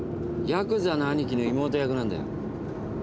ヤクザな兄貴の妹役なんだよ。